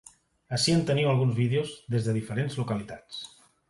Ací en teniu alguns vídeos des de diferents localitats.